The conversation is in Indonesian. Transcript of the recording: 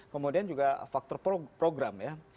kemudian juga faktor program ya